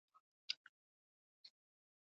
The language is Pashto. ګهیځنۍ مو ځانونه ښه ډېډه کړل.